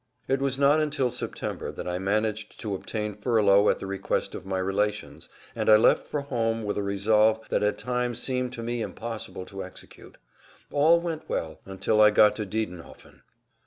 It was not until September that I managed to obtain furlough at the request of my relations, and I left for home with a resolve that at times seemed to me impossible to execute. All went well until I got to Diedenhofen.